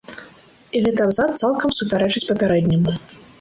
І гэты абзац цалкам супярэчыць папярэдняму.